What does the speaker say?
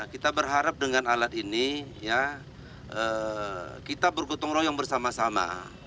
kita berharap dengan alat ini kita bergotong royong bersama sama